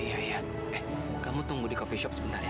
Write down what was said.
oh iya iya eh kamu tunggu di coffee shop sebentar ya